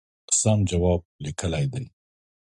سم جواب لیکلی دی.